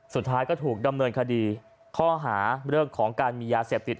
สุดท้ายก็ถูกดำเนินคดีข้อหาเรื่องของการมียาเสพติด